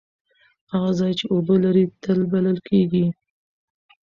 هغه ځای چې اوبه لري تل بلل کیږي.